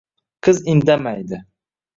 Qiz indamaydi